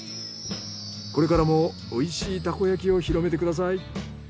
これからもおいしいたこ焼きを広めてください。